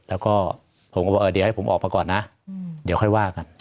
แล้วก็ผมก็บอกเดี๋ยวให้ผมออกมาก่อนนะเดี๋ยวค่อยว่ากัน